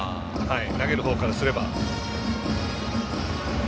投げるほうからすれば。